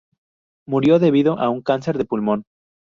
Murió debido a un cáncer de pulmón.